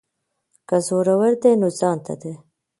که زورور دی نو ځانته دی.